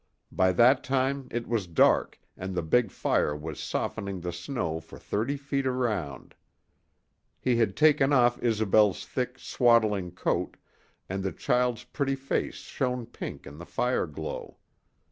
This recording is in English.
By that time it was dark and the big fire was softening the snow for thirty feet around. He had taken off Isobel's thick, swaddling coat, and the child's pretty face shone pink in the fireglow.